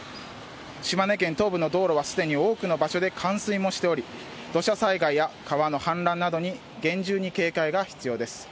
島根県東部の道路はすでに多くの場所で冠水もしており、土砂災害や川の氾濫などに、厳重に警戒が必要です。